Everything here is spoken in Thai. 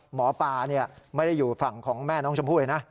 หมอปลาไม่ได้อยู่ฝั่งของแม่น้องชมพู่เลยนะ